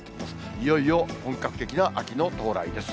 いよいよ本格的な秋の到来です。